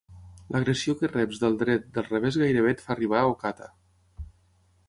L'agressió que reps del dret, del revés gairebé et fa arribar a Ocata.